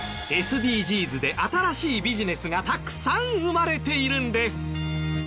ＳＤＧｓで新しいビジネスがたくさん生まれているんです。